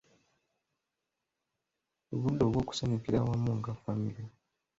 Obudde obw’okusanyukira awamu nga famire.